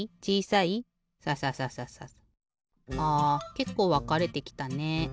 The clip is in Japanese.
けっこうわかれてきたね。